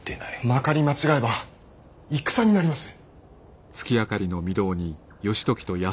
まかり間違えば戦になります。